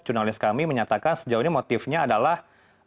jurnalis kami menyatakan sejauh ini motifnya adalah